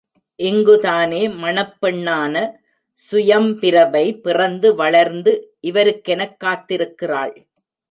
இங்குதானே மணப்பெண்ணான சுயம்பிரபை பிறந்து வளர்ந்து இவருக்கெனக் காத்திருக்கிறாள்.